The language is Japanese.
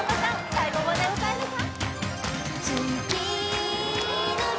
最後まで歌えるか？